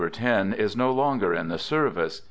10 is no longer in the service.